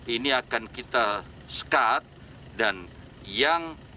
ini akan kita skat dan yang